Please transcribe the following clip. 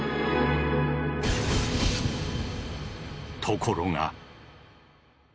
ところが。